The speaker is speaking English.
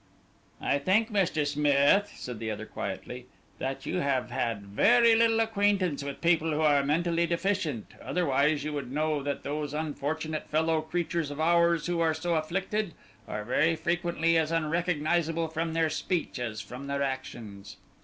"I think, Mr. Smith," said the other, quietly, "that you have had very little acquaintance with people who are mentally deficient, otherwise you would know that those unfortunate fellow creatures of ours who are so afflicted are very frequently as unrecognizable from their speech as from their actions."